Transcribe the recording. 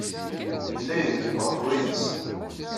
Yella irekkeb ɣef wayis.